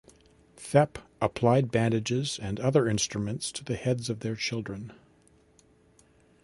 Thep applied bandages and other instruments to the heads of their children.